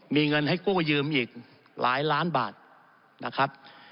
มีเงินให้กู้ยืมอีกหลายล้านบาทนะครับ